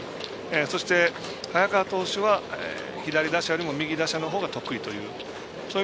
そして、早川投手は左打者よりも右打者のほうが得意という。